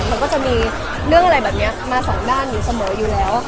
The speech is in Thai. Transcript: มันก็จะมีเรื่องอะไรแบบนี้มาสองด้านอยู่เสมออยู่แล้ว